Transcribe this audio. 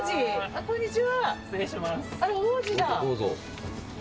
こんにちは。